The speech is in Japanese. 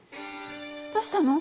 どうしたの？